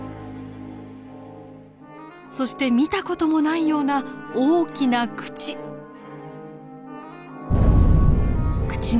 そして見た事もないような大きな口。